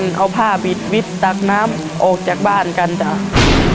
จะปิดวิทย์เตรียมตักน้ำโอ้กจากบ้านกันเอง